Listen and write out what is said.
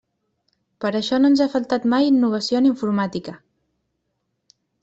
Per això no ens ha faltat mai innovació en informàtica.